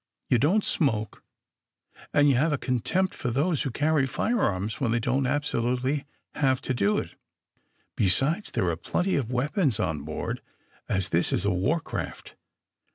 You don't smoke and you have a contempt for those who carry firearms when they don't absolutely have to do it. Besides, there are plenty of weapons on board, as this is a war craft.